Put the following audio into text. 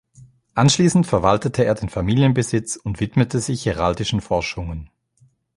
Anschließend verwaltete er den Familienbesitz und widmete sich heraldischen Forschungen.